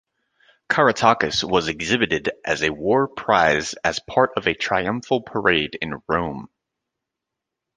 Caratacus was exhibited as a war-prize as part of a triumphal parade in Rome.